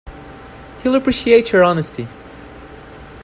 He'll appreciate your honesty.